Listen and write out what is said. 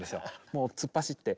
もう突っ走って。